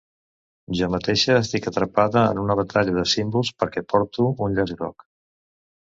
Jo mateixa estic atrapada en una batalla de símbols perquè porto un llaç groc.